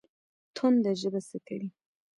تنده ژبه څه کوي؟